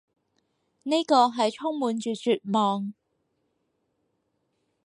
呢個係充滿住絕望